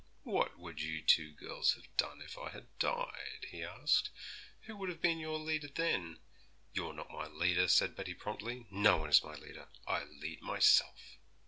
'What would you two girls have done if I had died?' he asked. 'Who would have been your leader then?' 'You're not my leader,' said Betty promptly. 'No one is my leader. I lead myself.'